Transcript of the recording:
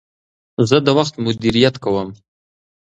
زه د وخت مدیریت کوم.